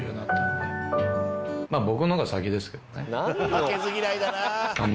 「負けず嫌いだな！」